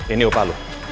ini opah lo